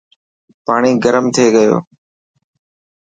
پاڻي گرم ٿي گيو.